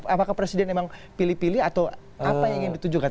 apakah presiden memang pilih pilih atau apa yang ingin ditujukan